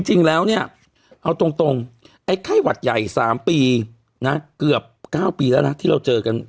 จริงแล้วเนี่ยเอาตรงไอ้ไข้หวัดใหญ่๓ปีนะเกือบ๙ปีแล้วนะที่เราเจอกัน